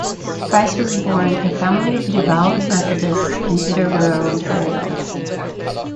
Price was born to a family of devout Methodists in Peterborough, Ontario.